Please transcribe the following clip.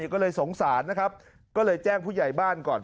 ก็เลยสงสารนะครับก็เลยแจ้งผู้ใหญ่บ้านก่อน